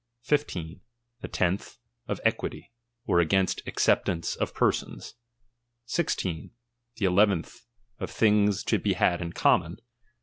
15. The tenth, of , or against acceptance of persons. 16. The eleventh, «f things to be had in common.